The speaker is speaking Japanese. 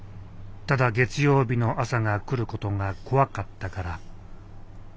ただ月曜日の朝が来ることが怖かったから。